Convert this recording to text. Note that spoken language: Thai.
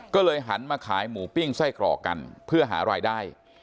ก็เลยหันมาขายหมูปิ้งไส้กรอกกันเพื่อหารายได้